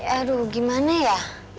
aduh gimana ya